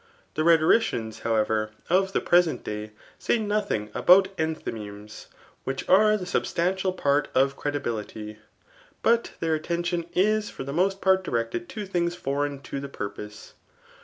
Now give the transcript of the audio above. The rhetoricians, however, of the present day, say nothing about enthymemes, which are the substantial part of credibility ; but their attention k for the roost part directed to things Ibrdgn to the puipose.